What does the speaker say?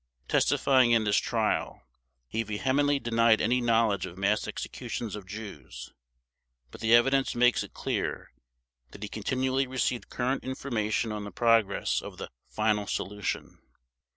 Testifying in this trial, he vehemently denied any knowledge of mass executions of Jews. But the evidence makes it clear that he continually received current information on the progress of the "final solution".